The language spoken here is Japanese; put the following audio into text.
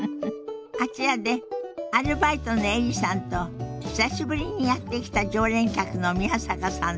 あちらでアルバイトのエリさんと久しぶりにやって来た常連客の宮坂さんのおしゃべりが始まりそうよ。